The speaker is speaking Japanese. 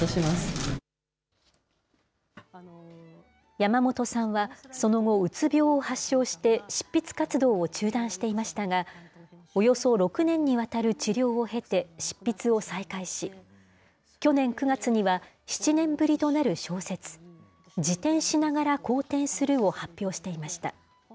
山本さんはその後、うつ病を発症して、執筆活動を中断していましたが、およそ６年にわたる治療を経て執筆を再開し、去年９月には７年ぶりとなる小説、自転しながら公転するを発表していました。